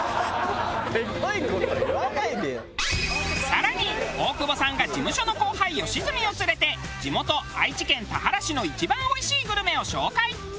更に大久保さんが事務所の後輩吉住を連れて地元愛知県田原市の一番おいしいグルメを紹介。